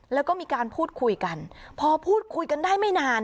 แล้วก็มีการพูดคุยกันพอพูดคุยกันได้ไม่นาน